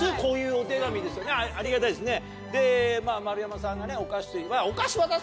ありがたいですね。